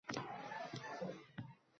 Davlat test markazi bilan birgalikda